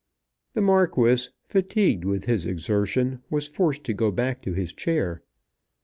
The Marquis, fatigued with his exertion, was forced to go back to his chair.